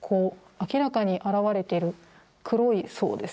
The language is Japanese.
明らかに現れている黒い層ですね。